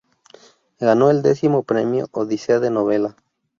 Ganó el X premio Odisea de novela.